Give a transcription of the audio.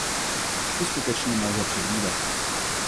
Vše skutečně nelze předvídat.